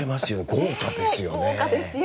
豪華ですよね。